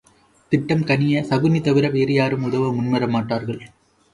திட்டம் கனியச் சகுனி தவிர வேறு யாரும் உதவ முன் மாட்டார்கள்.